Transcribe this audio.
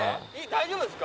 大丈夫ですか？